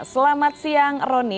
selamat siang roni